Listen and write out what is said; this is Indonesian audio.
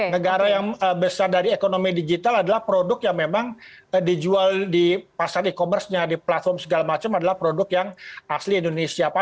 negara yang besar dari ekonomi digital adalah produk yang memang dijual di pasar e commerce nya di platform segala macam adalah produk yang asli indonesia